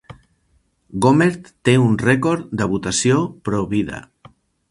Gohmert té un rècord de votació Pro-vida.